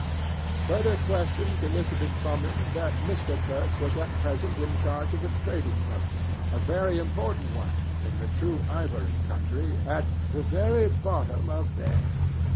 Further questions elicited from him that Mr. Kurtz was at present in charge of a trading post, a very important one, in the true ivory country, at 'the very bottom of there.